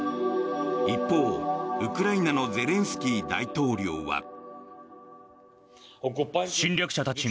一方、ウクライナのゼレンスキー大統領は。